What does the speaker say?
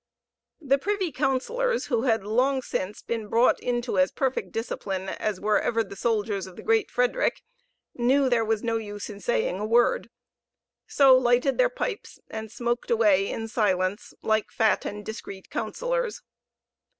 The privy councillors who had long since been brought into as perfect discipline as were ever the soldiers of the great Frederick, knew there was no use in saying a word, so lighted their pipes, and smoked away in silence like fat and discreet councillors.